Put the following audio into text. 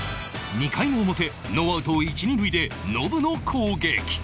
２回表ノーアウト一二塁でノブの攻撃